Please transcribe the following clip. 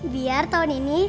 biar tahun ini